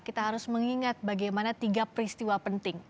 kita harus mengingat bagaimana tiga peristiwa penting